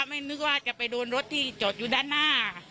ไม่นึกว่าจะไปโดนรถที่จอดอยู่ด้านหน้า